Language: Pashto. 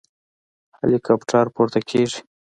هليكاپټر پورته کېږي.